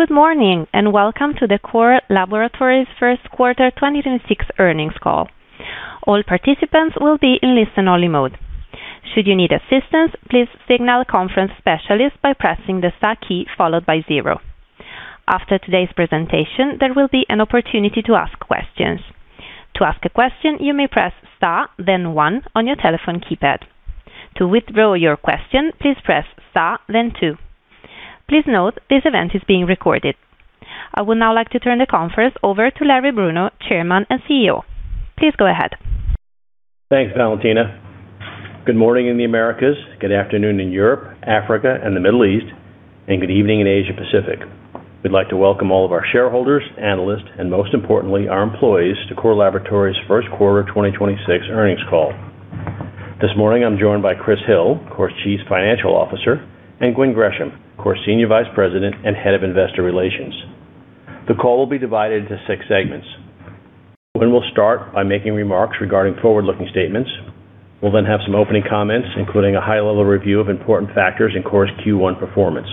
Good morning, and welcome to the Core Laboratories First Quarter 2026 Earnings Call. All participants will be in listen-only mode. Should you need assistance, please signal a conference specialist by pressing the star key followed by zero. After today's presentation, there will be an opportunity to ask questions. To ask a question, you may press star then one on your telephone keypad. To withdraw your question, please press star then two. Please note this event is being recorded. I would now like to turn the conference over to Larry Bruno, Chairman and CEO. Please go ahead. Thanks, Valentina. Good morning in the Americas, good afternoon in Europe, Africa, and the Middle East, and good evening in Asia Pacific. We'd like to welcome all of our shareholders, analysts, and most importantly, our employees to Core Laboratories First Quarter 2026 Earnings Call. This morning, I'm joined by Chris Hill, Core's Chief Financial Officer, and Gwen Gresham, Core's Senior Vice President and Head of Investor Relations. The call will be divided into six segments. Gwen will start by making remarks regarding forward-looking statements. We'll then have some opening comments, including a high-level review of important factors in Core's Q1 performance.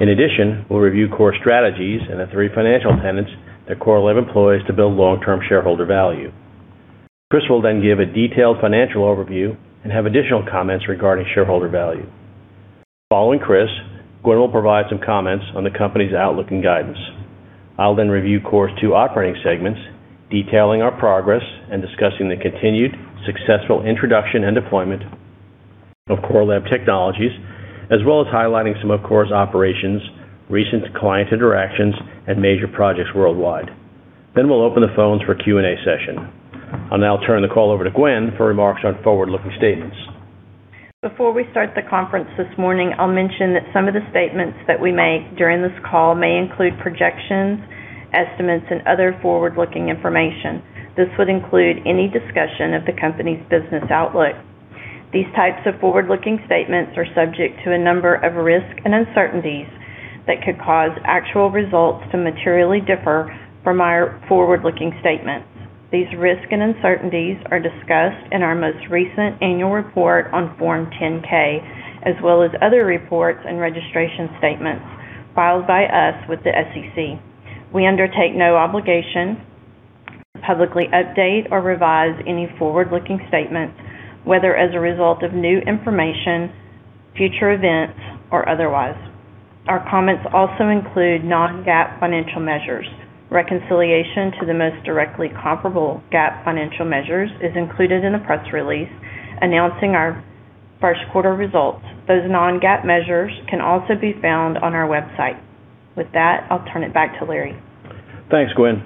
In addition, we'll review Core strategies and the three financial tenets that Core Lab employs to build long-term shareholder value. Chris will then give a detailed financial overview and have additional comments regarding shareholder value. Following Chris, Gwen will provide some comments on the company's outlook and guidance. I'll then review Core's two operating segments, detailing our progress and discussing the continued successful introduction and deployment of Core Lab technologies, as well as highlighting some of Core's operations, recent client interactions, and major projects worldwide. We'll then open the phones for Q&A session. I'll now turn the call over to Gwen Gresham for remarks on forward-looking statements. Before we start the conference this morning, I'll mention that some of the statements that we make during this call may include projections, estimates, and other forward-looking information. This would include any discussion of the company's business outlook. These types of forward-looking statements are subject to a number of risks and uncertainties that could cause actual results to materially differ from our forward-looking statements. These risks and uncertainties are discussed in our most recent annual report on Form 10-K, as well as other reports and registration statements filed by us with the SEC. We undertake no obligation to publicly update or revise any forward-looking statements, whether as a result of new information, future events, or otherwise. Our comments also include non-GAAP financial measures. Reconciliation to the most directly comparable GAAP financial measures is included in the press release announcing our first quarter results. Those non-GAAP measures can also be found on our website. With that, I'll turn it back to Larry Bruno. Thanks, Gwen.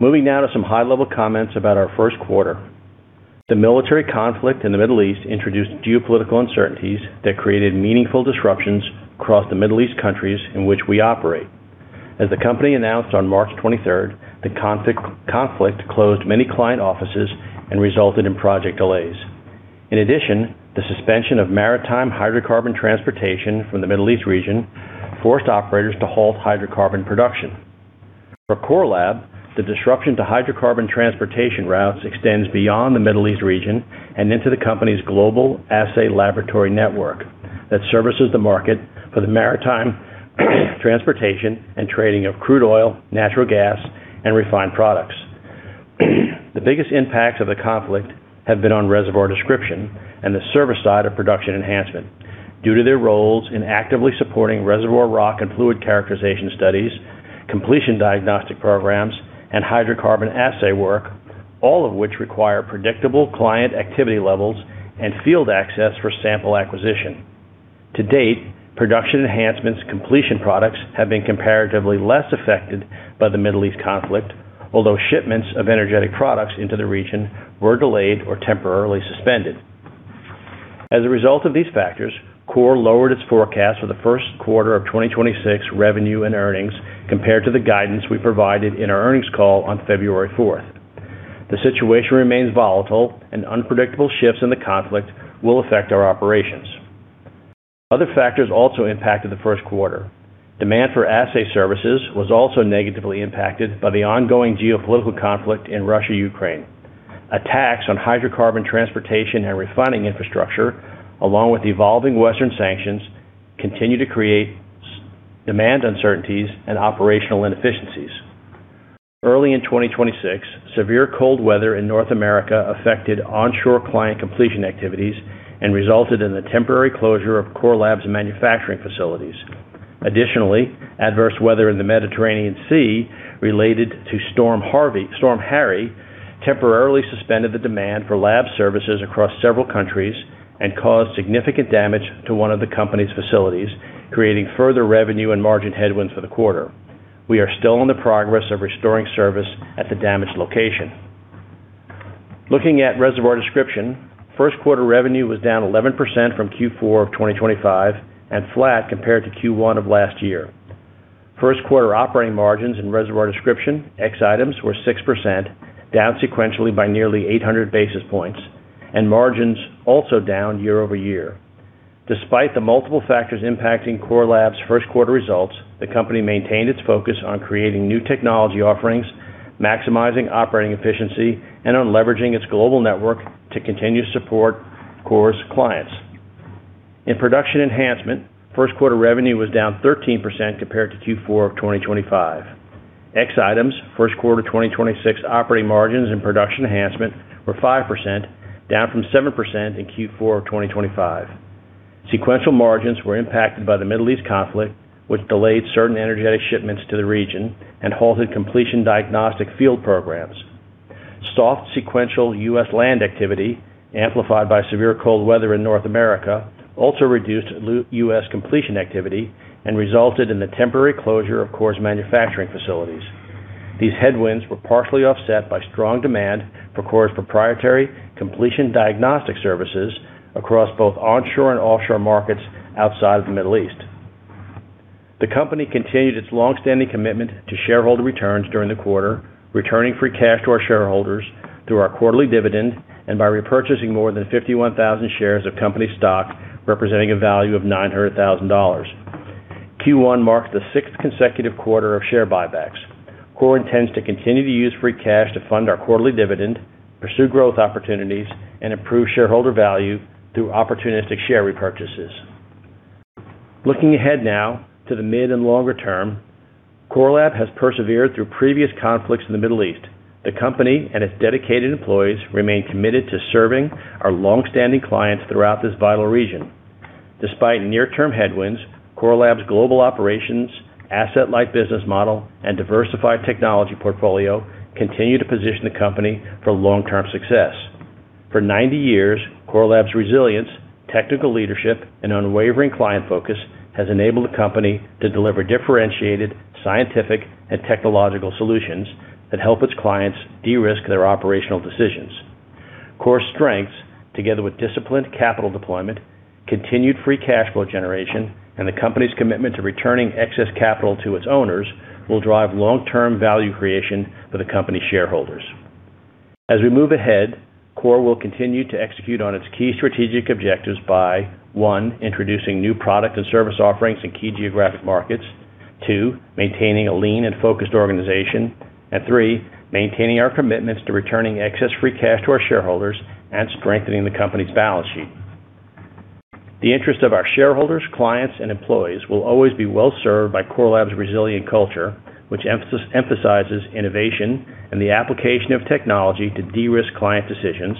Moving now to some high-level comments about our first quarter. The military conflict in the Middle East introduced geopolitical uncertainties that created meaningful disruptions across the Middle East countries in which we operate. As the company announced on March 23rd, the conflict closed many client offices and resulted in project delays. In addition, the suspension of maritime hydrocarbon transportation from the Middle East region forced operators to halt hydrocarbon production. For Core Lab, the disruption to hydrocarbon transportation routes extends beyond the Middle East region and into the company's global assay laboratory network that services the market for the maritime transportation and trading of crude oil, natural gas, and refined products. The biggest impacts of the conflict have been on Reservoir Description and the service side of Production Enhancement due to their roles in actively supporting reservoir rock and fluid characterization studies, completion diagnostic programs, and hydrocarbon assay work, all of which require predictable client activity levels and field access for sample acquisition. To date, production enhancements completion products have been comparatively less affected by the Middle East conflict, although shipments of energetic products into the region were delayed or temporarily suspended. As a result of these factors, Core lowered its forecast for the first quarter of 2026 revenue and earnings compared to the guidance we provided in our earnings call on February 4th. The situation remains volatile and unpredictable shifts in the conflict will affect our operations. Other factors also impacted the first quarter. Demand for assay services was also negatively impacted by the ongoing geopolitical conflict in Russia, Ukraine. Attacks on hydrocarbon transportation and refining infrastructure, along with evolving Western sanctions, continue to create demand uncertainties and operational inefficiencies. Early in 2026, severe cold weather in North America affected onshore client completion activities and resulted in the temporary closure of Core Lab's manufacturing facilities. Additionally, adverse weather in the Mediterranean Sea related to Storm Harry temporarily suspended the demand for lab services across several countries and caused significant damage to one of the company's facilities, creating further revenue and margin headwinds for the quarter. We are still in the progress of restoring service at the damaged location. Looking at Reservoir Description, first quarter revenue was down 11% from Q4 of 2025 and flat compared to Q1 of last year. First quarter operating margins in Reservoir Description, ex items, were 6%, down sequentially by nearly 800 basis points, and margins also down year-over-year. Despite the multiple factors impacting Core Lab's first quarter results, the company maintained its focus on creating new technology offerings, maximizing operating efficiency, and on leveraging its global network to continue to support Core's clients. In Production Enhancement, first quarter revenue was down 13% compared to Q4 of 2025. Ex items, first quarter 2026 operating margins in Production Enhancement were 5%, down from 7% in Q4 of 2025. Sequential margins were impacted by the Middle East conflict, which delayed certain energetic shipments to the region and halted completion diagnostic field programs. Soft sequential U.S. land activity, amplified by severe cold weather in North America, also reduced U.S. completion activity and resulted in the temporary closure of Core's manufacturing facilities. These headwinds were partially offset by strong demand for Core's proprietary completion diagnostic services across both onshore and offshore markets outside of the Middle East. The company continued its long-standing commitment to shareholder returns during the quarter, returning free cash to our shareholders through our quarterly dividend and by repurchasing more than 51,000 shares of company stock, representing a value of $900,000. Q1 marks the sixth consecutive quarter of share buybacks. Core intends to continue to use free cash to fund our quarterly dividend, pursue growth opportunities, and improve shareholder value through opportunistic share repurchases. Looking ahead now to the mid and longer term, Core Lab has persevered through previous conflicts in the Middle East. The company and its dedicated employees remain committed to serving our long-standing clients throughout this vital region. Despite near-term headwinds, Core Lab's global operations, asset-light business model, and diversified technology portfolio continue to position the company for long-term success. For 90 years, Core Lab's resilience, technical leadership, and unwavering client focus has enabled the company to deliver differentiated scientific and technological solutions that help its clients de-risk their operational decisions. Core strengths, together with disciplined capital deployment, continued free cash flow generation, and the company's commitment to returning excess capital to its owners will drive long-term value creation for the company's shareholders. As we move ahead, Core will continue to execute on its key strategic objectives by, 1, introducing new product and service offerings in key geographic markets, 2, maintaining a lean and focused organization, and 3, maintaining our commitments to returning excess free cash to our shareholders and strengthening the company's balance sheet. The interest of our shareholders, clients, and employees will always be well served by Core Lab's resilient culture, which emphasizes innovation and the application of technology to de-risk client decisions,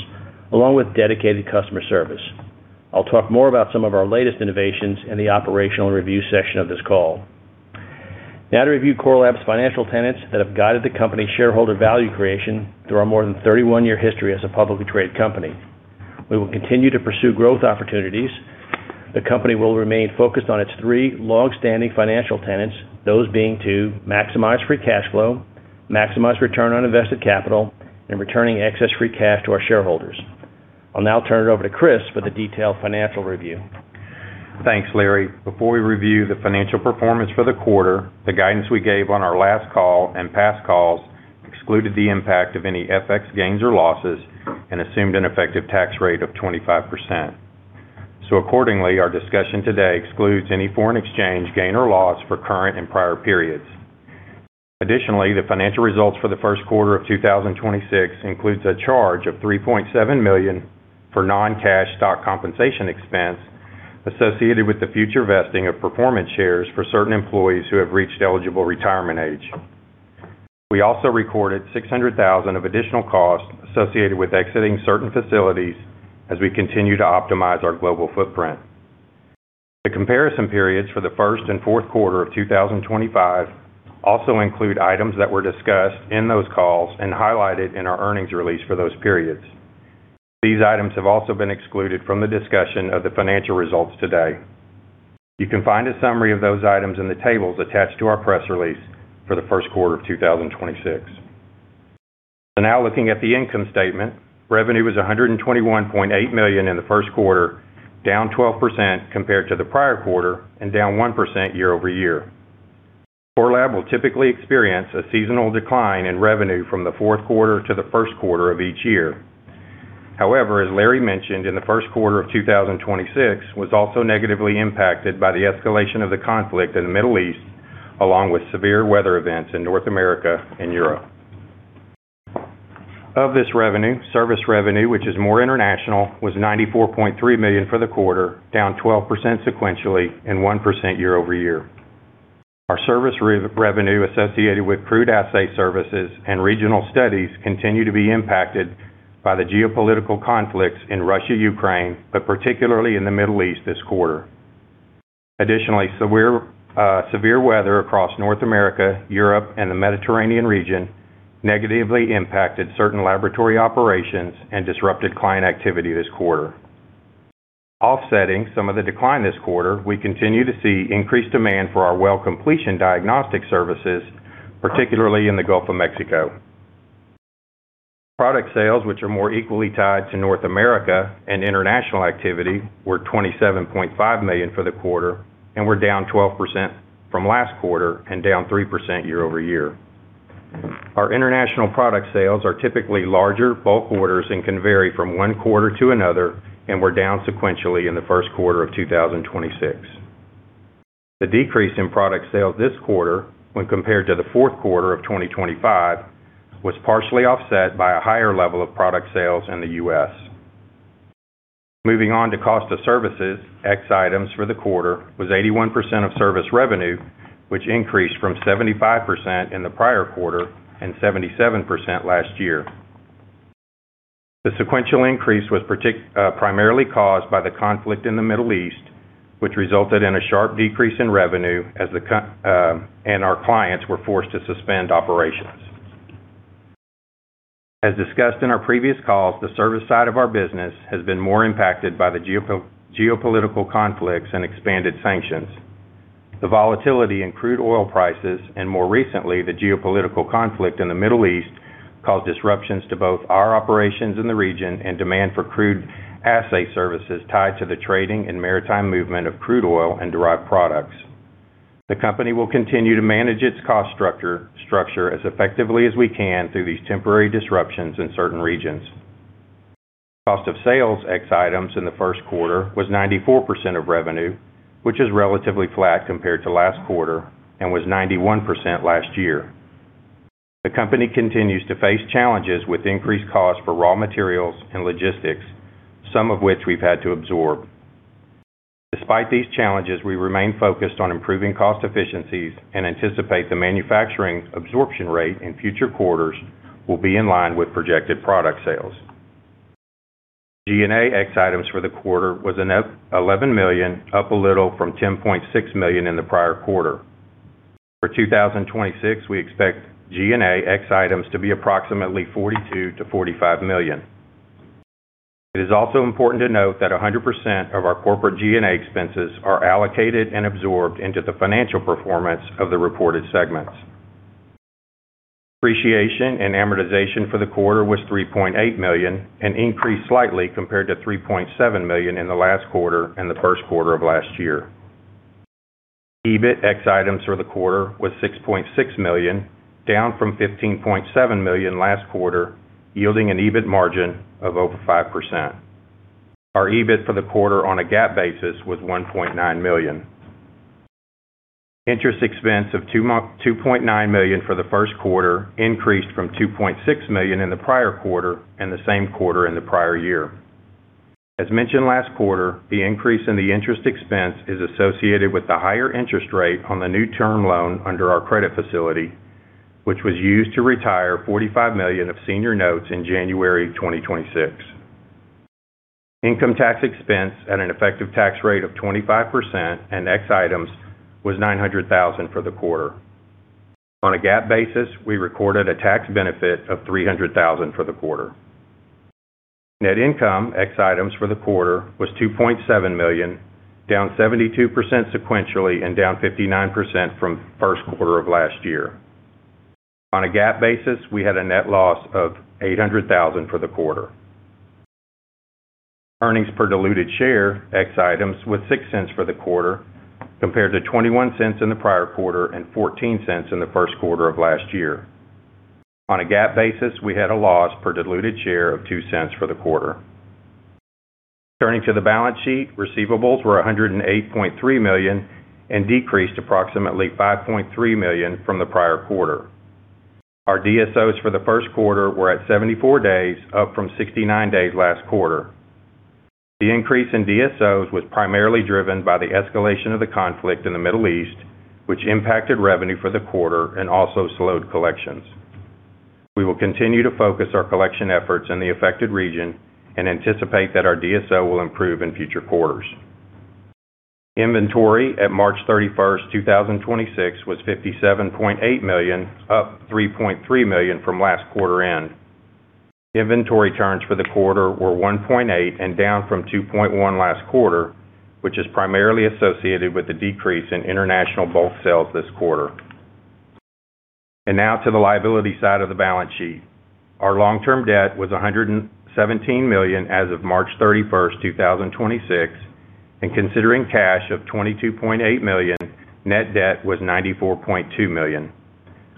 along with dedicated customer service. I'll talk more about some of our latest innovations in the operational review session of this call. To review Core Lab's financial tenets that have guided the company's shareholder value creation through our more than 31-year history as a publicly traded company. We will continue to pursue growth opportunities. The company will remain focused on its three long-standing financial tenets, those being to maximize free cash flow, maximize return on invested capital, and returning excess free cash to our shareholders. I'll now turn it over to Chris for the detailed financial review. Thanks, Larry. Before we review the financial performance for the quarter, the guidance we gave on our last call and past calls excluded the impact of any FX gains or losses and assumed an effective tax rate of 25%. Accordingly, our discussion today excludes any foreign exchange gain or loss for current and prior periods. Additionally, the financial results for the first quarter of 2026 includes a charge of $3.7 million for non-cash stock compensation expense associated with the future vesting of performance shares for certain employees who have reached eligible retirement age. We also recorded $600,000 of additional costs associated with exiting certain facilities as we continue to optimize our global footprint. The comparison periods for the first and fourth quarter of 2025 also include items that were discussed in those calls and highlighted in our earnings release for those periods. These items have also been excluded from the discussion of the financial results today. You can find a summary of those items in the tables attached to our press release for the first quarter of 2026. Now looking at the income statement, revenue was $121.8 million in the first quarter, down 12% compared to the prior quarter and down 1% year-over-year. Core Lab will typically experience a seasonal decline in revenue from the fourth quarter to the first quarter of each year. However, as Larry mentioned, in the first quarter of 2026 was also negatively impacted by the escalation of the conflict in the Middle East, along with severe weather events in North America and Europe. Of this revenue, service revenue, which is more international, was $94.3 million for the quarter, down 12% sequentially and 1% year-over-year. Our service revenue associated with crude assay services and regional studies continue to be impacted by the geopolitical conflicts in Russia, Ukraine, but particularly in the Middle East this quarter. Additionally, severe weather across North America, Europe, and the Mediterranean region negatively impacted certain laboratory operations and disrupted client activity this quarter. Offsetting some of the decline this quarter, we continue to see increased demand for our well completion diagnostic services, particularly in the Gulf of Mexico. Product sales, which are more equally tied to North America and international activity, were $27.5 million for the quarter and were down 12% from last quarter and down 3% year-over-year. Our international product sales are typically larger bulk orders and can vary from one quarter to another and were down sequentially in the first quarter of 2026. The decrease in product sales this quarter when compared to the fourth quarter of 2025 was partially offset by a higher level of product sales in the U.S. Moving on to cost of services, ex items for the quarter was 81% of service revenue, which increased from 75% in the prior quarter and 77% last year. The sequential increase was primarily caused by the conflict in the Middle East, which resulted in a sharp decrease in revenue as our clients were forced to suspend operations. As discussed in our previous calls, the service side of our business has been more impacted by the geopolitical conflicts and expanded sanctions. The volatility in crude oil prices and more recently, the geopolitical conflict in the Middle East caused disruptions to both our operations in the region and demand for crude assay services tied to the trading and maritime movement of crude oil and derived products. The company will continue to manage its cost structure as effectively as we can through these temporary disruptions in certain regions. Cost of sales ex items in the first quarter was 94% of revenue, which is relatively flat compared to last quarter and was 91% last year. The company continues to face challenges with increased costs for raw materials and logistics, some of which we've had to absorb. Despite these challenges, we remain focused on improving cost efficiencies and anticipate the manufacturing absorption rate in future quarters will be in line with projected product sales. G&A ex items for the quarter was $11 million, up a little from $10.6 million in the prior quarter. For 2026, we expect G&A ex items to be approximately $42 million-$45 million. It is also important to note that 100% of our corporate G&A expenses are allocated and absorbed into the financial performance of the reported segments. Depreciation and amortization for the quarter was $3.8 million, and increased slightly compared to $3.7 million in the last quarter and the first quarter of last year. EBIT ex items for the quarter was $6.6 million, down from $15.7 million last quarter, yielding an EBIT margin of over 5%. Our EBIT for the quarter on a GAAP basis was $1.9 million. Interest expense of $2.9 million for the first quarter increased from $2.6 million in the prior quarter and the same quarter in the prior year. As mentioned last quarter, the increase in the interest expense is associated with the higher interest rate on the new term loan under our credit facility, which was used to retire $45 million of senior notes in January 2026. Income tax expense at an effective tax rate of 25% and ex items was $900,000 for the quarter. On a GAAP basis, we recorded a tax benefit of $300,000 for the quarter. Net income ex items for the quarter was $2.7 million, down 72% sequentially and down 59% from first quarter of last year. On a GAAP basis, we had a net loss of $800,000 for the quarter. Earnings per diluted share ex items was $0.06 for the quarter compared to $0.21 in the prior quarter and $0.14 in the first quarter of last year. On a GAAP basis, we had a loss per diluted share of $0.02 for the quarter. Turning to the balance sheet, receivables were $108.3 million and decreased approximately $5.3 million from the prior quarter. Our DSOs for the first quarter were at 74 days, up from 69 days last quarter. The increase in DSOs was primarily driven by the escalation of the conflict in the Middle East, which impacted revenue for the quarter and also slowed collections. We will continue to focus our collection efforts in the affected region and anticipate that our DSO will improve in future quarters. Inventory at March 31, 2026 was $57.8 million, up $3.3 million from last quarter end. Inventory turns for the quarter were 1.8 and down from 2.1 last quarter, which is primarily associated with the decrease in international bulk sales this quarter. Now to the liability side of the balance sheet. Our long-term debt was $117 million as of March 31st, 2026. Considering cash of $22.8 million, net debt was $94.2 million,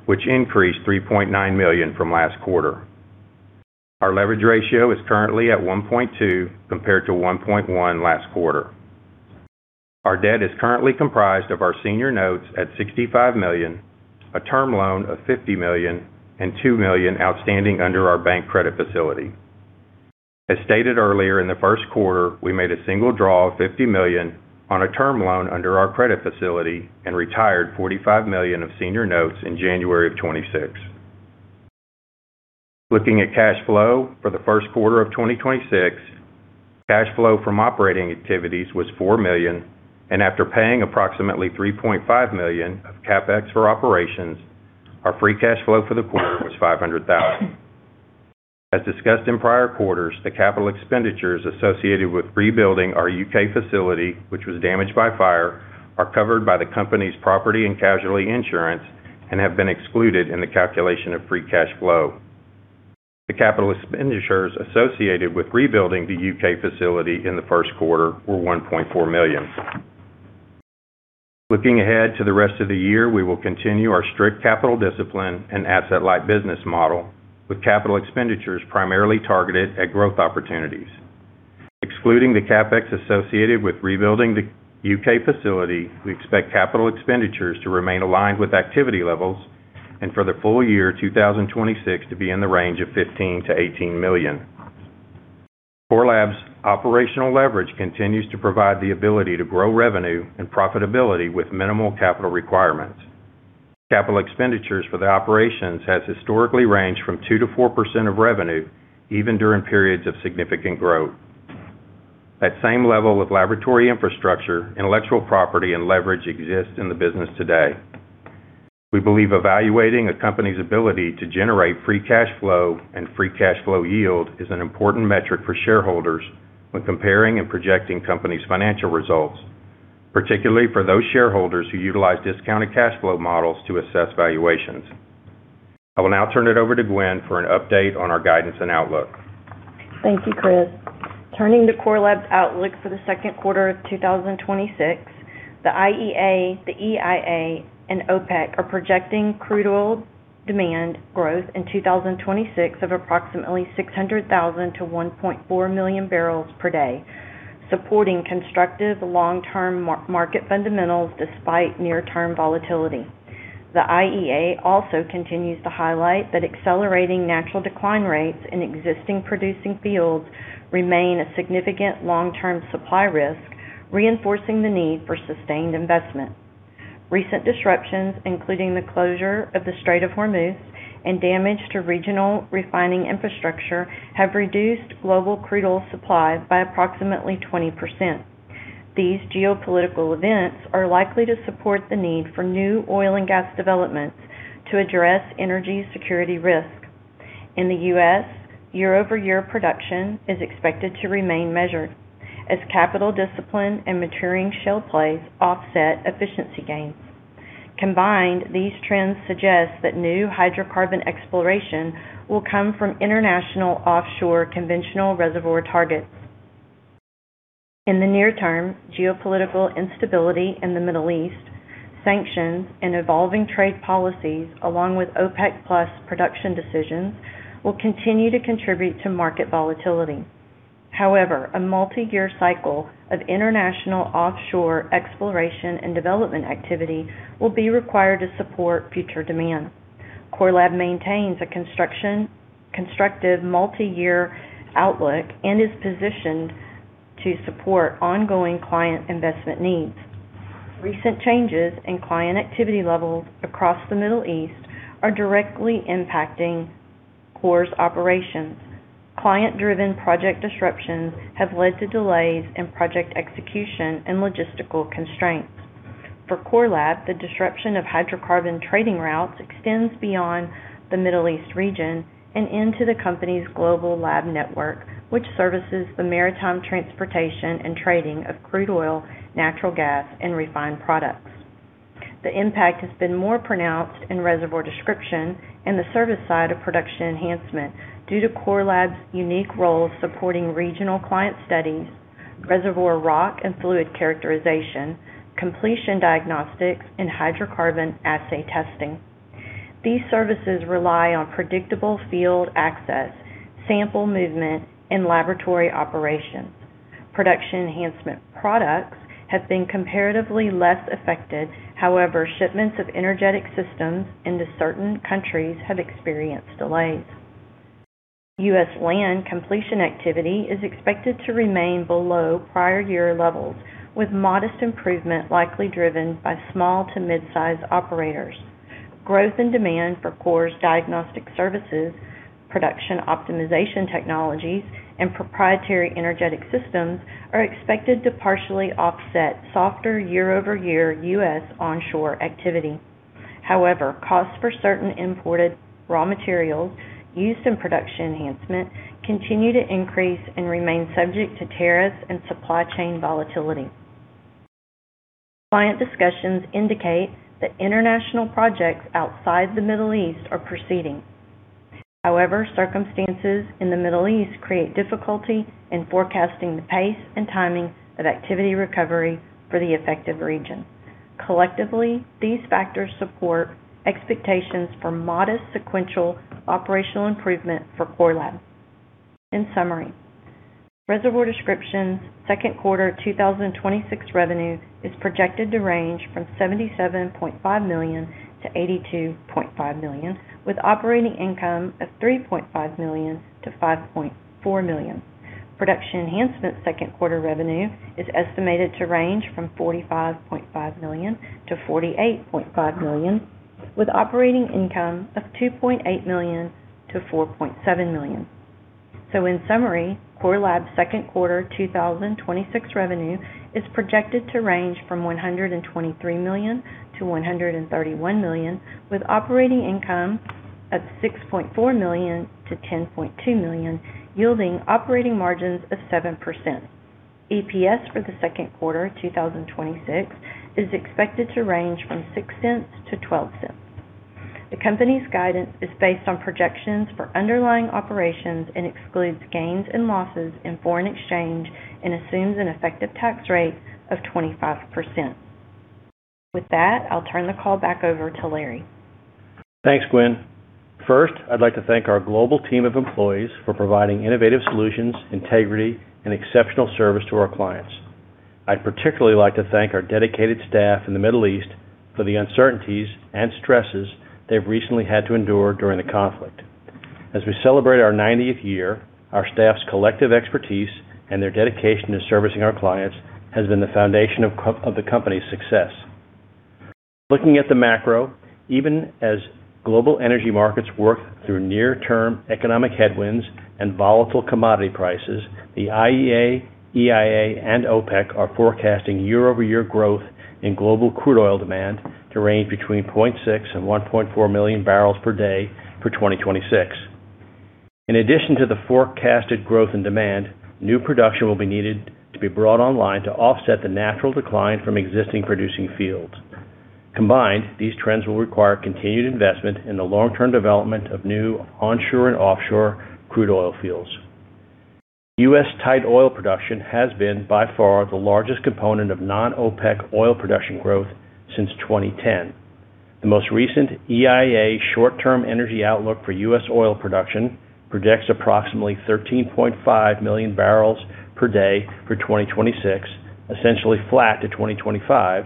which increased $3.9 million from last quarter. Our leverage ratio is currently at 1.2 compared to 1.1 last quarter. Our debt is currently comprised of our senior notes at $65 million, a term loan of $50 million, and $2 million outstanding under our bank credit facility. As stated earlier, in the first quarter, we made a single draw of $50 million on a term loan under our credit facility and retired $45 million of senior notes in January of 2026. Looking at cash flow for the first quarter of 2026, cash flow from operating activities was $4 million, and after paying approximately $3.5 million of CapEx for operations, our free cash flow for the quarter was $500,000. As discussed in prior quarters, the capital expenditures associated with rebuilding our U.K. facility, which was damaged by fire, are covered by the company's property and casualty insurance and have been excluded in the calculation of free cash flow. The capital expenditures associated with rebuilding the U.K. facility in the first quarter were $1.4 million. Looking ahead to the rest of the year, we will continue our strict capital discipline and asset-light business model with capital expenditures primarily targeted at growth opportunities. Excluding the CapEx associated with rebuilding the U.K. facility, we expect capital expenditures to remain aligned with activity levels and for the full year 2026 to be in the range of $15 million-$18 million. Core Lab's operational leverage continues to provide the ability to grow revenue and profitability with minimal capital requirements. Capital expenditures for the operations has historically ranged from 2%-4% of revenue even during periods of significant growth. That same level of laboratory infrastructure, intellectual property and leverage exists in the business today. We believe evaluating a company's ability to generate free cash flow and free cash flow yield is an important metric for shareholders when comparing and projecting companies' financial results, particularly for those shareholders who utilize discounted cash flow models to assess valuations. I will now turn it over to Gwen for an update on our guidance and outlook. Thank you, Chris. Turning to Core Lab's outlook for the second quarter of 2026, the IEA, the EIA, and OPEC are projecting crude oil demand growth in 2026 of approximately 600,000-1.4 million barrels per day, supporting constructive long-term market fundamentals despite near-term volatility. The IEA also continues to highlight that accelerating natural decline rates in existing producing fields remain a significant long-term supply risk, reinforcing the need for sustained investment. Recent disruptions, including the closure of the Strait of Hormuz and damage to regional refining infrastructure, have reduced global crude oil supply by approximately 20%. These geopolitical events are likely to support the need for new oil and gas developments to address energy security risk. In the U.S., year-over-year production is expected to remain measured as capital discipline and maturing shale plays offset efficiency gains. Combined, these trends suggest that new hydrocarbon exploration will come from international offshore conventional reservoir targets. In the near term, geopolitical instability in the Middle East, sanctions, and evolving trade policies, along with OPEC+ production decisions, will continue to contribute to market volatility. A multi-year cycle of international offshore exploration and development activity will be required to support future demand. Core Lab maintains a constructive multi-year outlook and is positioned to support ongoing client investment needs. Recent changes in client activity levels across the Middle East are directly impacting Core's operations. Client-driven project disruptions have led to delays in project execution and logistical constraints. For Core Lab, the disruption of hydrocarbon trading routes extends beyond the Middle East region and into the company's global lab network, which services the maritime transportation and trading of crude oil, natural gas, and refined products. The impact has been more pronounced in Reservoir Description and the service side of Production Enhancement due to Core Lab's unique role supporting regional client studies, reservoir rock and fluid characterization, completion diagnostics, and hydrocarbon assay testing. These services rely on predictable field access, sample movement, and laboratory operations. Production Enhancement products have been comparatively less affected, however, shipments of energetic systems into certain countries have experienced delays. U.S. land completion activity is expected to remain below prior year levels, with modest improvement likely driven by small to mid-size operators. Growth and demand for Core's diagnostic services, production optimization technologies, and proprietary energetic systems are expected to partially offset softer year-over-year U.S. onshore activity. Costs for certain imported raw materials used in Production Enhancement continue to increase and remain subject to tariffs and supply chain volatility. Client discussions indicate that international projects outside the Middle East are proceeding. However, circumstances in the Middle East create difficulty in forecasting the pace and timing of activity recovery for the affected region. Collectively, these factors support expectations for modest sequential operational improvement for Core Lab. In summary, Reservoir Description's second quarter 2026 revenue is projected to range from $77.5 million-$82.5 million, with operating income of $3.5 million-$5.4 million. Production Enhancement's second quarter revenue is estimated to range from $45.5 million-$48.5 million, with operating income of $2.8 million-$4.7 million. In summary, Core Lab's second quarter 2026 revenue is projected to range from $123 million-$131 million, with operating income of $6.4 million-$10.2 million, yielding operating margins of 7%. EPS for the second quarter 2026 is expected to range from $0.06-$0.12. The company's guidance is based on projections for underlying operations and excludes gains and losses in foreign exchange and assumes an effective tax rate of 25%. With that, I'll turn the call back over to Larry. Thanks, Gwen. First, I'd like to thank our global team of employees for providing innovative solutions, integrity, and exceptional service to our clients. I'd particularly like to thank our dedicated staff in the Middle East for the uncertainties and stresses they've recently had to endure during the conflict. As we celebrate our 90th year, our staff's collective expertise and their dedication to servicing our clients has been the foundation of the company's success. Looking at the macro, even as global energy markets work through near-term economic headwinds and volatile commodity prices, the IEA, EIA, and OPEC are forecasting year-over-year growth in global crude oil demand to range between 0.6 and 1.4 million barrels per day for 2026. In addition to the forecasted growth in demand, new production will be needed to be brought online to offset the natural decline from existing producing fields. Combined, these trends will require continued investment in the long-term development of new onshore and offshore crude oil fields. U.S. tight oil production has been by far the largest component of non-OPEC oil production growth since 2010. The most recent EIA short-term energy outlook for U.S. oil production projects approximately 13.5 million barrels per day for 2026, essentially flat to 2025,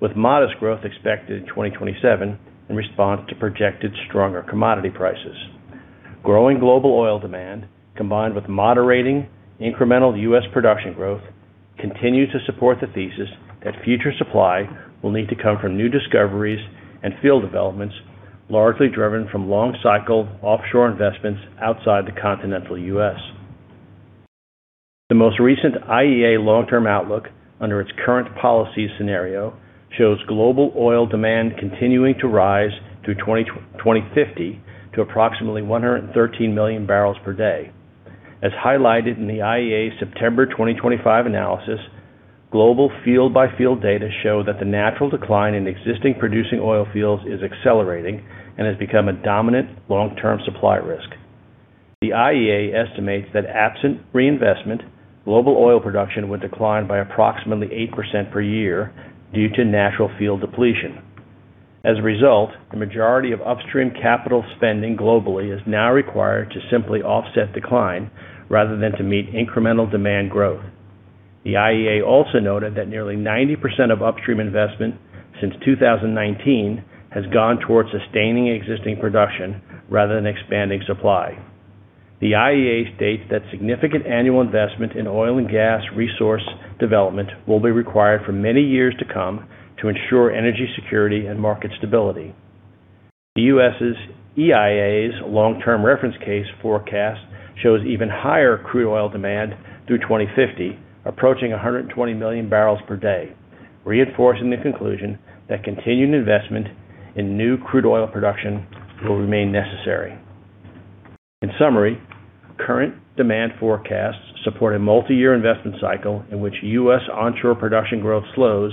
with modest growth expected in 2027 in response to projected stronger commodity prices. Growing global oil demand, combined with moderating incremental U.S. production growth, continue to support the thesis that future supply will need to come from new discoveries and field developments, largely driven from long-cycle offshore investments outside the continental U.S. The most recent IEA long-term outlook under its current policy scenario shows global oil demand continuing to rise through 2050 to approximately 113 million barrels per day. As highlighted in the IEA September 2025 analysis, global field-by-field data show that the natural decline in existing producing oil fields is accelerating and has become a dominant long-term supply risk. The IEA estimates that absent reinvestment, global oil production would decline by approximately 8% per year due to natural field depletion. As a result, the majority of upstream capital spending globally is now required to simply offset decline rather than to meet incremental demand growth. The IEA also noted that nearly 90% of upstream investment since 2019 has gone towards sustaining existing production rather than expanding supply. The IEA states that significant annual investment in oil and gas resource development will be required for many years to come to ensure energy security and market stability. The U.S. EIA's long-term reference case forecast shows even higher crude oil demand through 2050, approaching 120 million barrels per day, reinforcing the conclusion that continued investment in new crude oil production will remain necessary. In summary, current demand forecasts support a multi-year investment cycle in which U.S. onshore production growth slows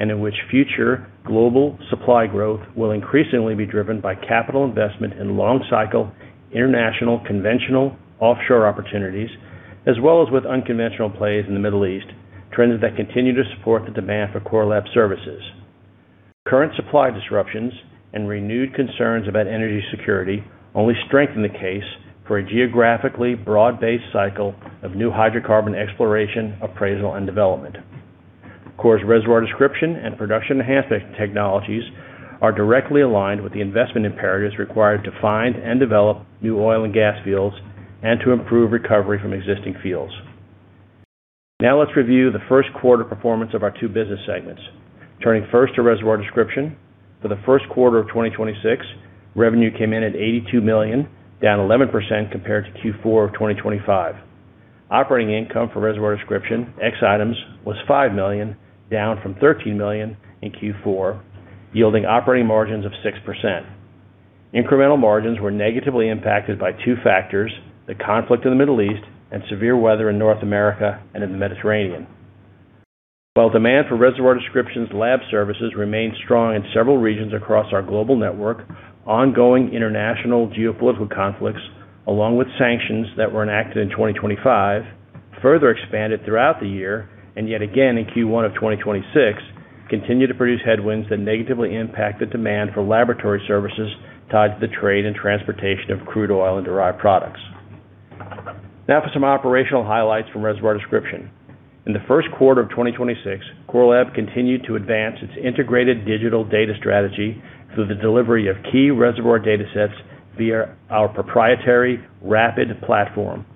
and in which future global supply growth will increasingly be driven by capital investment in long-cycle, international, conventional offshore opportunities, as well as with unconventional plays in the Middle East, trends that continue to support the demand for Core Lab services. Current supply disruptions and renewed concerns about energy security only strengthen the case for a geographically broad-based cycle of new hydrocarbon exploration, appraisal, and development. Core's Reservoir Description and Production Enhancement technologies are directly aligned with the investment imperatives required to find and develop new oil and gas fields and to improve recovery from existing fields. Let's review the first quarter performance of our two business segments. Turning first to Reservoir Description. For the first quarter of 2026, revenue came in at $82 million, down 11% compared to Q4 of 2025. Operating income for Reservoir Description, ex items, was $5 million, down from $13 million in Q4, yielding operating margins of 6%. Incremental margins were negatively impacted by two factors: the conflict in the Middle East and severe weather in North America and in the Mediterranean. While demand for Reservoir Description lab services remained strong in several regions across our global network, ongoing international geopolitical conflicts, along with sanctions that were enacted in 2025, further expanded throughout the year, and yet again in Q1 of 2026, continue to produce headwinds that negatively impact the demand for laboratory services tied to the trade and transportation of crude oil and derived products. Now for some operational highlights from Reservoir Description. In the first quarter of 2026, Core Lab continued to advance its integrated digital data strategy through the delivery of key reservoir datasets via our proprietary RAPID platform.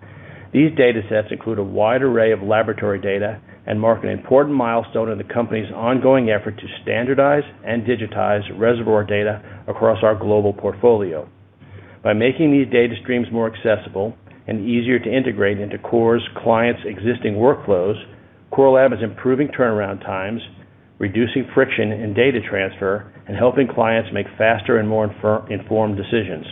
These datasets include a wide array of laboratory data and mark an important milestone in the company's ongoing effort to standardize and digitize reservoir data across our global portfolio. By making these data streams more accessible and easier to integrate into Core Lab's clients' existing workflows, Core Lab is improving turnaround times, reducing friction in data transfer, and helping clients make faster and more informed decisions.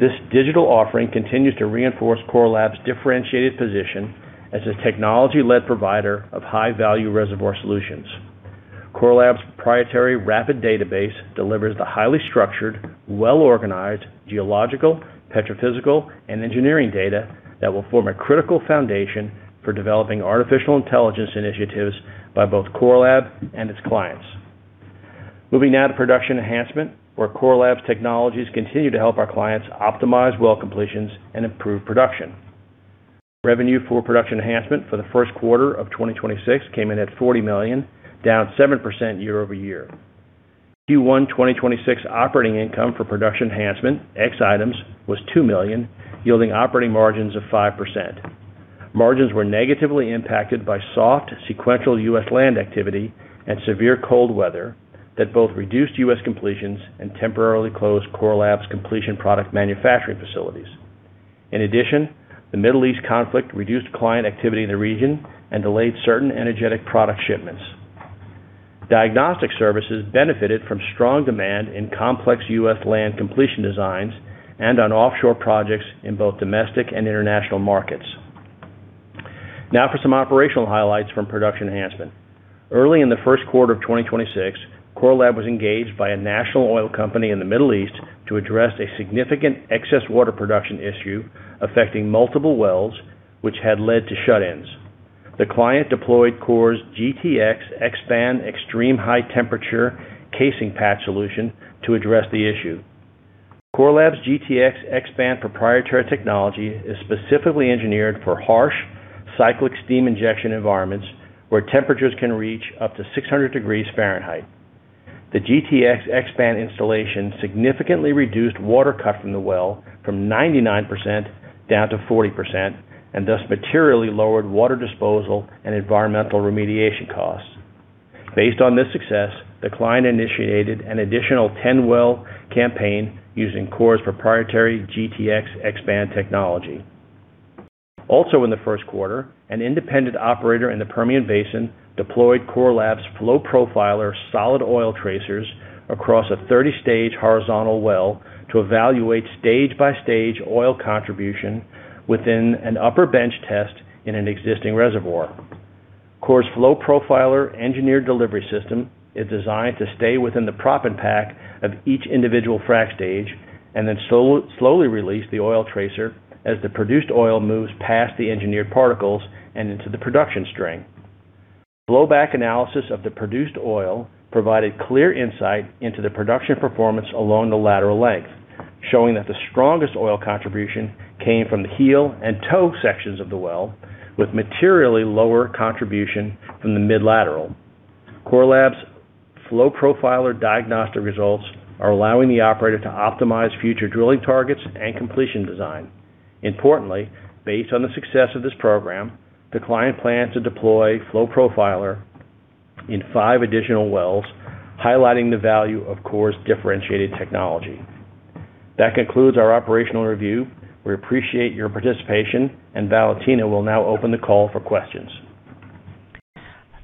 This digital offering continues to reinforce Core Lab's differentiated position as a technology-led provider of high-value reservoir solutions. Core Lab's proprietary RAPID Database delivers the highly structured, well-organized geological, petrophysical, and engineering data that will form a critical foundation for developing artificial intelligence initiatives by both Core Lab and its clients. Now to Production Enhancement, where Core Lab's technologies continue to help our clients optimize well completions and improve production. Revenue for Production Enhancement for the first quarter of 2026 came in at $40 million, down 7% year-over-year. Q1 2026 operating income for Production Enhancement, ex items, was $2 million, yielding operating margins of 5%. Margins were negatively impacted by soft sequential U.S. land activity and severe cold weather that both reduced U.S. completions and temporarily closed Core Lab's completion product manufacturing facilities. In addition, the Middle East conflict reduced client activity in the region and delayed certain energetic product shipments. Diagnostic services benefited from strong demand in complex U.S. land completion designs and on offshore projects in both domestic and international markets. Now for some operational highlights from Production Enhancement. Early in the first quarter of 2026, Core Lab was engaged by a national oil company in the Middle East to address a significant excess water production issue affecting multiple wells which had led to shut-ins. The client deployed Core's GTX-SPAN extreme high temperature casing pack solution to address the issue. Core Lab's GTX-SPAN proprietary technology is specifically engineered for harsh cyclic steam injection environments where temperatures can reach up to 600 degrees Fahrenheit. The GTX-SPAN installation significantly reduced water cut from the well from 99% down to 40%, and thus materially lowered water disposal and environmental remediation costs. Based on this success, the client initiated an additional 10-well campaign using Core's proprietary GTX-SPAN technology. Also in the first quarter, an independent operator in the Permian Basin deployed Core Lab's Flow Profiler solid oil tracers across a 30-stage horizontal well to evaluate stage-by-stage oil contribution within an upper bench test in an existing reservoir. Core's Flow Profiler engineered delivery system is designed to stay within the proppant pack of each individual frack stage and then slowly release the oil tracer as the produced oil moves past the engineered particles and into the production string. Blow-back analysis of the produced oil provided clear insight into the production performance along the lateral length, showing that the strongest oil contribution came from the heel and toe sections of the well, with materially lower contribution from the mid-lateral. Core Lab's Flow Profiler diagnostic results are allowing the operator to optimize future drilling targets and completion design. Importantly, based on the success of this program, the client plans to deploy Flow Profiler in five additional wells, highlighting the value of Core's differentiated technology. That concludes our operational review. We appreciate your participation, and Valentina will now open the call for questions.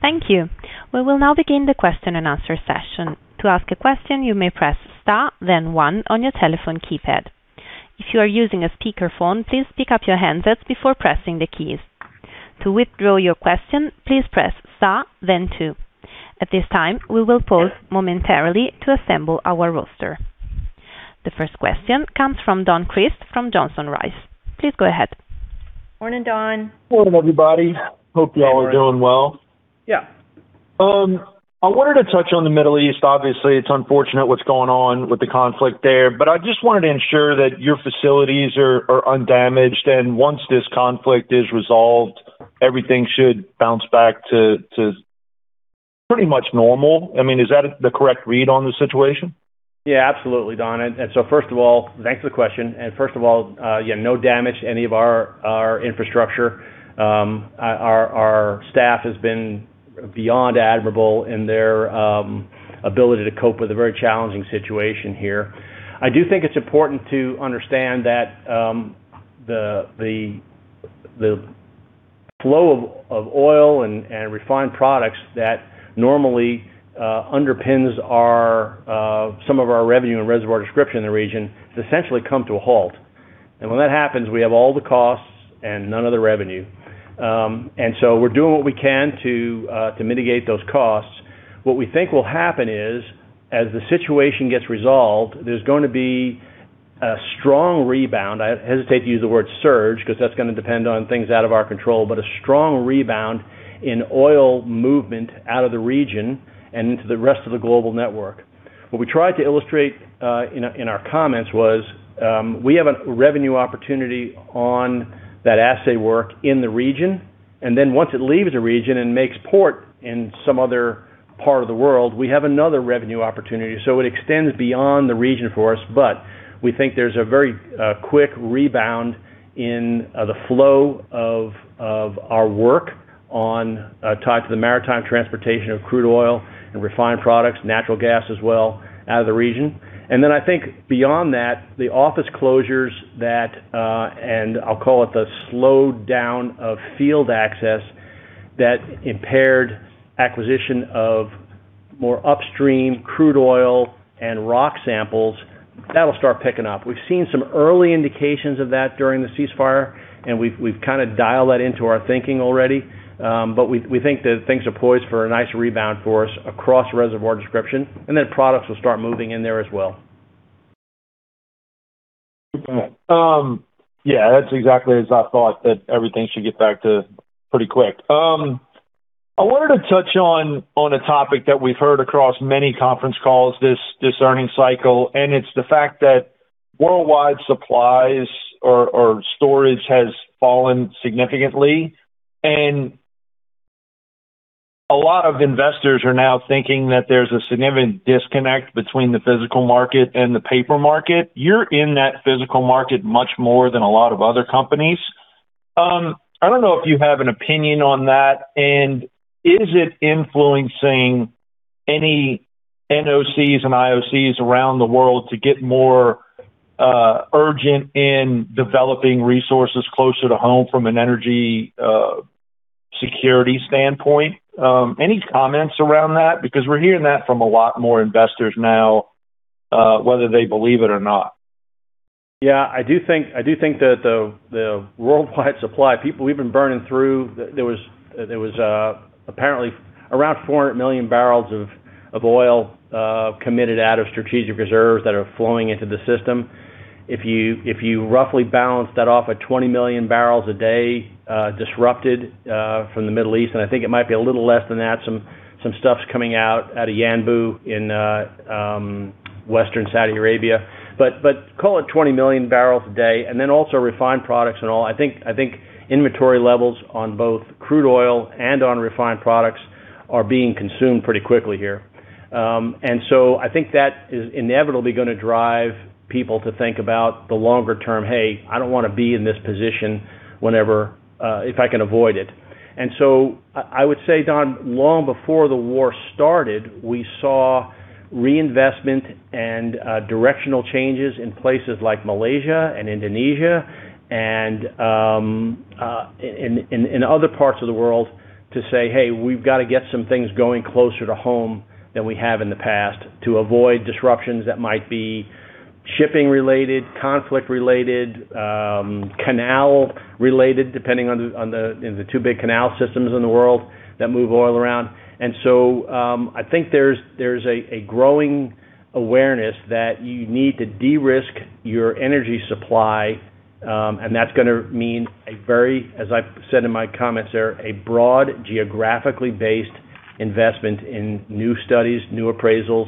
Thank you. We will now begin the question and answer session. To ask a question you may press star then one on your telephone keypad. If you're using a speaker phone, please pick up your handset before pressing the key. To withdraw your question, please press star then two. At this time, we will pause momentarily to assemble our roster. The first question comes from Don Crist from Johnson Rice. Please go ahead. Morning, Don. Morning, everybody. Hope you all are doing well. Yeah. I wanted to touch on the Middle East. Obviously, it's unfortunate what's going on with the conflict there, but I just wanted to ensure that your facilities are undamaged, and once this conflict is resolved, everything should bounce back to pretty much normal. I mean, is that the correct read on the situation? Yeah, absolutely, Don. First of all, thanks for the question. First of all, yeah, no damage to any of our infrastructure. Our staff has been beyond admirable in their ability to cope with a very challenging situation here. I do think it's important to understand that the flow of oil and refined products that normally underpins some of our revenue and Reservoir Description in the region has essentially come to a halt. When that happens, we have all the costs and none of the revenue. We're doing what we can to mitigate those costs. What we think will happen is, as the situation gets resolved, there's gonna be a strong rebound. I hesitate to use the word surge, because that's gonna depend on things out of our control. A strong rebound in oil movement out of the region and into the rest of the global network. What we tried to illustrate in our comments was, we have a revenue opportunity on that assay work in the region. Then once it leaves the region and makes port in some other part of the world, we have another revenue opportunity. It extends beyond the region for us, but we think there's a very quick rebound in the flow of our work on tied to the maritime transportation of crude oil and refined products, natural gas as well, out of the region. I think beyond that, the office closures that, and I'll call it the slowdown of field access that impaired acquisition of more upstream crude oil and rock samples, that'll start picking up. We've seen some early indications of that during the ceasefire, and we've kinda dialed that into our thinking already. We think that things are poised for a nice rebound for us across Reservoir Description, and then products will start moving in there as well. Yeah, that's exactly as I thought that everything should get back to pretty quick. I wanted to touch on a topic that we've heard across many conference calls this earnings cycle, and it's the fact that worldwide supplies or storage has fallen significantly. A lot of investors are now thinking that there's a significant disconnect between the physical market and the paper market. You're in that physical market much more than a lot of other companies. I don't know if you have an opinion on that. Is it influencing any NOCs and IOCs around the world to get more urgent in developing resources closer to home from an energy security standpoint? Any comments around that? Because we're hearing that from a lot more investors now, whether they believe it or not. Yeah. I do think that the worldwide supply, we've been burning through. There was apparently around 400 million barrels of oil committed out of strategic reserves that are flowing into the system. If you roughly balance that off at 20 million barrels a day disrupted from the Middle East, and I think it might be a little less than that, some stuff's coming out of Yanbu in western Saudi Arabia. Call it 20 million barrels a day, and then also refined products and all. I think inventory levels on both crude oil and on refined products are being consumed pretty quickly here. I think that is inevitably gonna drive people to think about the longer term, "Hey, I don't wanna be in this position whenever, if I can avoid it." I would say, Don, long before the war started, we saw reinvestment and directional changes in places like Malaysia and Indonesia and other parts of the world to say, "Hey, we've got to get some things going closer to home than we have in the past to avoid disruptions that might be shipping related, conflict related, canal related," depending on the, on the, you know, the two big canal systems in the world that move oil around. I think there's a growing awareness that you need to de-risk your energy supply, and that's going to mean a very, as I said in my comments there, a broad geographically based investment in new studies, new appraisals,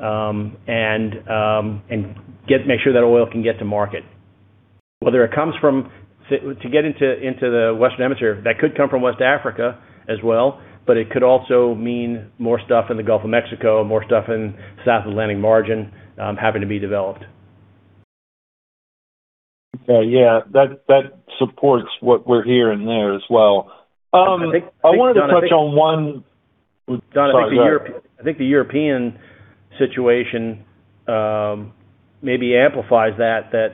and make sure that oil can get to market. To get into the Western Hemisphere, that could come from West Africa as well, but it could also mean more stuff in the Gulf of Mexico, more stuff in South Atlantic margin, having to be developed. Yeah. Yeah. That, that supports what we're hearing there as well. I wanted to touch on one- Don, I think the European. Sorry, go ahead. I think the European situation, maybe amplifies that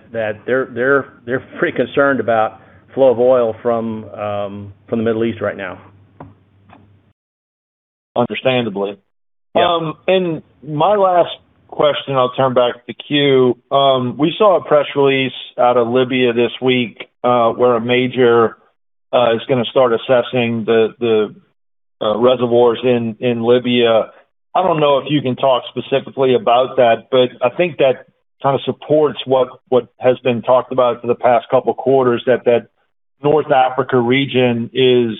they're pretty concerned about flow of oil from the Middle East right now. Understandably. Yeah. My last question, I'll turn back the queue. We saw a press release out of Libya this week, where a major is gonna start assessing the reservoirs in Libya. I don't know if you can talk specifically about that, but I think that kinda supports what has been talked about for the past couple quarters, that North Africa region is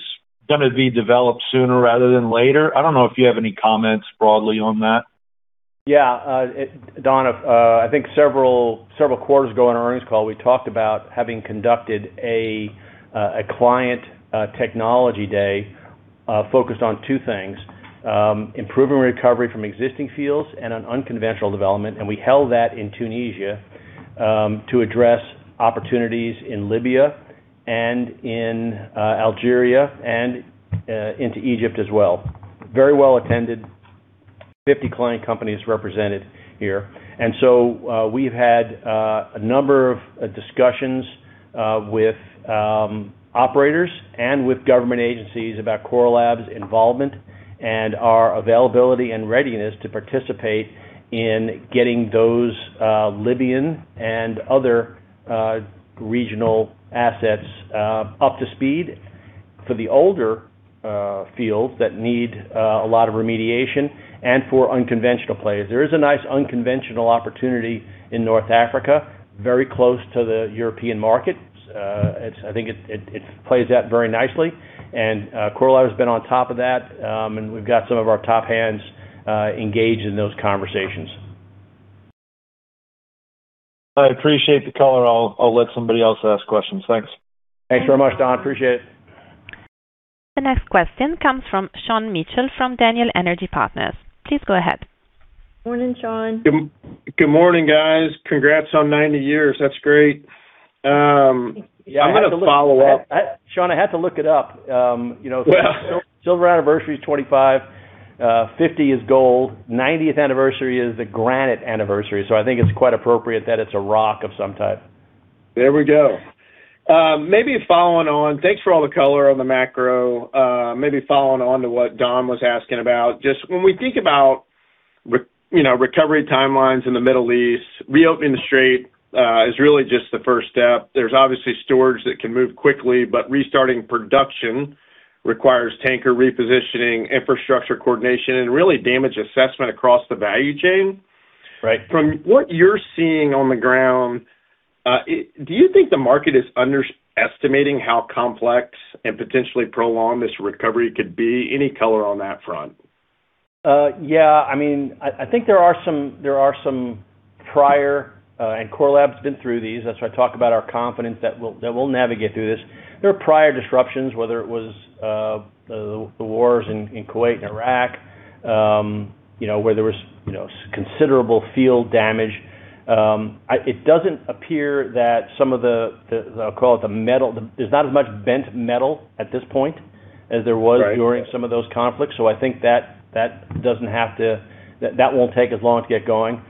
gonna be developed sooner rather than later. I don't know if you have any comments broadly on that. Yeah. Don, I think several quarters ago on our earnings call, we talked about having conducted a client technology day focused on two things, improving recovery from existing fields and on unconventional development. We held that in Tunisia to address opportunities in Libya and in Algeria and into Egypt as well. Very well attended. 50 client companies represented here. We've had a number of discussions with operators and with government agencies about Core Lab's involvement and our availability and readiness to participate in getting those Libyan and other regional assets up to speed for the older fields that need a lot of remediation and for unconventional players. There is a nice unconventional opportunity in North Africa, very close to the European market. I think it plays out very nicely. Core Lab has been on top of that, and we've got some of our top hands engaged in those conversations. I appreciate the color. I'll let somebody else ask questions. Thanks. Thanks very much, Don. Appreciate it. The next question comes from Sean Mitchell from Daniel Energy Partners. Please go ahead. Morning, Sean. Good morning, guys. Congrats on 90 years. That's great. I'm gonna follow up. Sean, I had to look it up. You know. Yeah Silver anniversary is 25, 50 is gold, 90th anniversary is the granite anniversary. I think it's quite appropriate that it's a rock of some type. There we go. Maybe following on. Thanks for all the color on the macro. Maybe following on to what Don was asking about. Just when we think about, you know, recovery timelines in the Middle East, reopening the strait, is really just the first step. There's obviously It can move quickly, but restarting production requires tanker repositioning, infrastructure coordination, and really damage assessment across the value chain. Right. From what you're seeing on the ground, do you think the market is underestimating how complex and potentially prolonged this recovery could be? Any color on that front? Yeah, I mean, I think there are some, there are some prior, and Core Lab's been through these. That's why I talk about our confidence that we'll navigate through this. There are prior disruptions, whether it was the wars in Kuwait and Iraq, you know, where there was, you know, considerable field damage. It doesn't appear that some of the, I'll call it the metal, there's not as much bent metal at this point as there was - Right. - during some of those conflicts. I think that won't take as long to get going.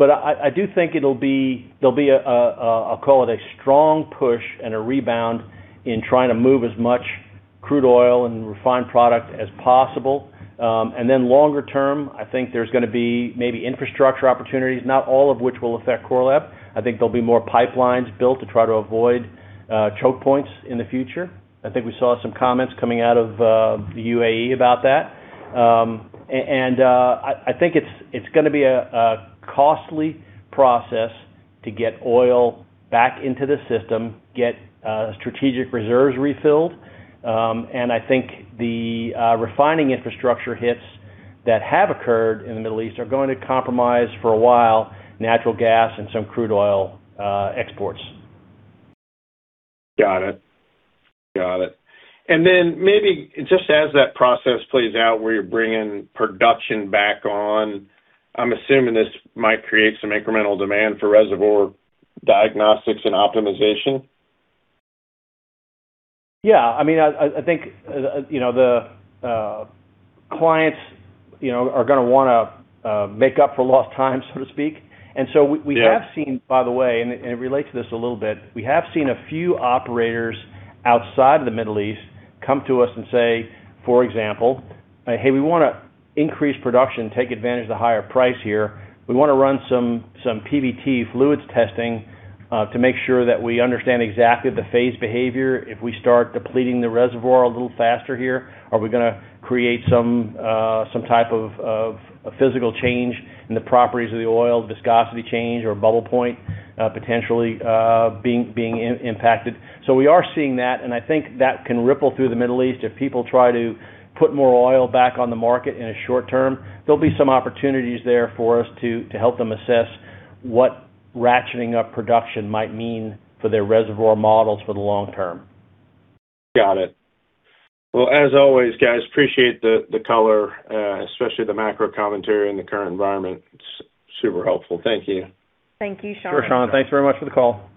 I do think there'll be a strong push and a rebound in trying to move as much crude oil and refined product as possible. Longer term, I think there's going to be maybe infrastructure opportunities, not all of which will affect Core Lab. I think there'll be more pipelines built to try to avoid choke points in the future. I think we saw some comments coming out of the UAE about that. I think it's going to be a costly process to get oil back into the system, get strategic reserves refilled. I think the refining infrastructure hits that have occurred in the Middle East are going to compromise for a while natural gas and some crude oil exports. Got it. Maybe just as that process plays out where you're bringing production back on, I'm assuming this might create some incremental demand for reservoir diagnostics and optimization. Yeah. I mean, I think, you know, the clients, you know, are gonna wanna make up for lost time, so to speak. We have seen- Yeah.... by the way, and it relates to this a little bit, we have seen a few operators outside of the Middle East come to us and say, for example, "Hey, we wanna increase production, take advantage of the higher price here. We wanna run some PVT fluids testing to make sure that we understand exactly the phase behavior. If we start depleting the reservoir a little faster here, are we gonna create some type of a physical change in the properties of the oil viscosity change or bubble point, potentially being impacted?" We are seeing that, and I think that can ripple through the Middle East. If people try to put more oil back on the market in a short term, there'll be some opportunities there for us to help them assess what ratcheting up production might mean for their reservoir models for the long term. Got it. Well, as always, guys, appreciate the color, especially the macro commentary in the current environment. It's super helpful. Thank you. Thank you, Sean. Sure, Sean. Thanks very much for the call.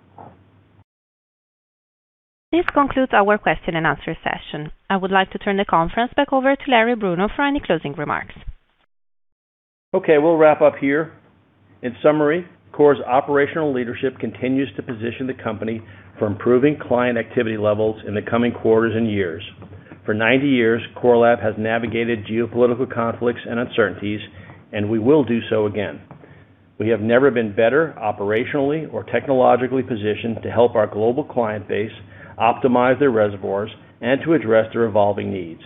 This concludes our question and answer session. I would like to turn the conference back over to Larry Bruno for any closing remarks. Okay, we'll wrap up here. In summary, Core Lab's operational leadership continues to position the company for improving client activity levels in the coming quarters and years. For 90 years, Core Lab has navigated geopolitical conflicts and uncertainties, and we will do so again. We have never been better operationally or technologically positioned to help our global client base optimize their reservoirs and to address their evolving needs.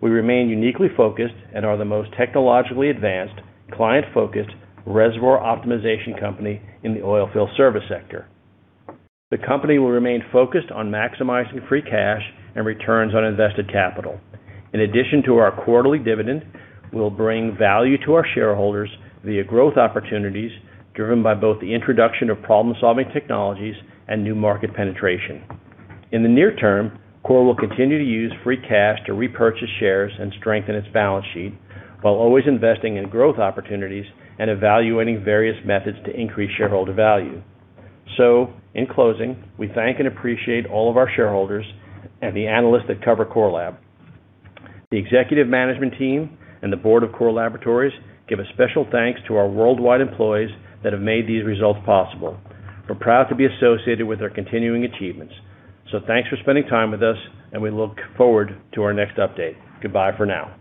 We remain uniquely focused and are the most technologically advanced, client-focused reservoir optimization company in the oil field service sector. The company will remain focused on maximizing free cash and returns on invested capital. In addition to our quarterly dividend, we'll bring value to our shareholders via growth opportunities driven by both the introduction of problem-solving technologies and new market penetration. In the near term, Core will continue to use free cash to repurchase shares and strengthen its balance sheet, while always investing in growth opportunities and evaluating various methods to increase shareholder value. In closing, we thank and appreciate all of our shareholders and the analysts that cover Core Lab. The executive management team and the board of Core Laboratories give a special thanks to our worldwide employees that have made these results possible. We're proud to be associated with their continuing achievements. Thanks for spending time with us, and we look forward to our next update. Goodbye for now.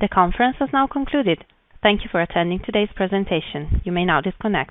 The conference has now concluded. Thank you for attending today's presentation. You may now disconnect.